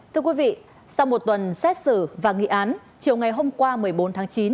thưa quý vị sau một tuần xét xử và nghị án chiều ngày hôm qua một mươi bốn tháng chín